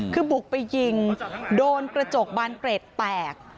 คือบุกไปยิงโดนกระจกบานเกรดแตก